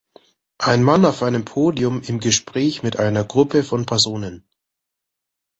Ein Mann auf einem Podium im Gespräch mit einer Gruppe von Personen.